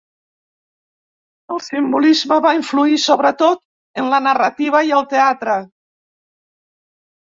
El simbolisme va influir sobretot en la narrativa i el teatre.